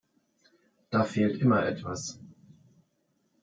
Da fehlt immer etwas.